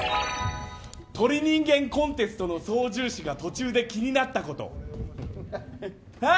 鳥人間コンテストの操縦士が途中で気になったこと。